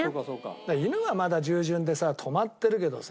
犬はまだ従順でさ止まってるけどさ。